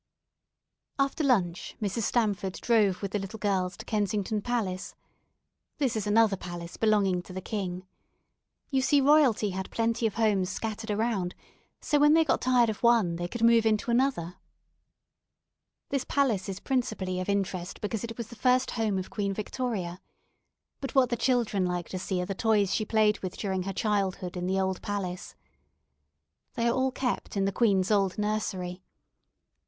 After lunch Mrs. Stamford drove with the little girls to Kensington Palace. This is another palace belonging to the king. You see royalty had plenty of homes scattered around, so when they got tired of one they could move into another. This palace is principally of interest because it was the first home of Queen Victoria. But what the children like to see are the toys she played with during her childhood in the old palace. They are all kept in the queen's old nursery.